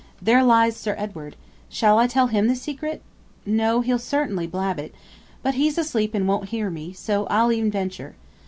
There lies Sir Edward. Shall I tell him the secret? No, he'll certainly blab it. But he's asleep, and won't hear me; so I'll e'en venture.